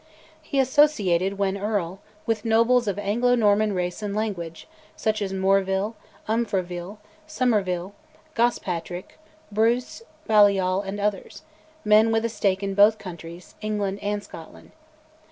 He associated, when Earl, with nobles of Anglo Norman race and language, such as Moreville, Umfraville, Somerville, Gospatric, Bruce, Balliol, and others; men with a stake in both countries, England and Scotland.